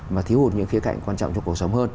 mà thiếu hụt những khía cạnh quan trọng cho cuộc sống hơn